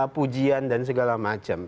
pujian dan segala macam